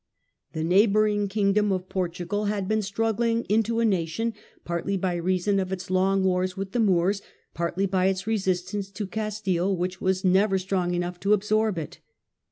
Portugal The neighbouring Kingdom of Portugal had been strugghng into a nation, partly by reason of its long National wars with the Moors, partly by its resistance to Castile ment which was never strong enough to absorb it.